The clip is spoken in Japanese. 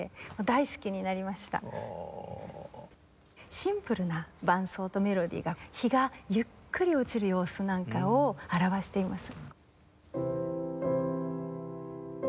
シンプルな伴奏とメロディが日がゆっくり落ちる様子なんかを表しています。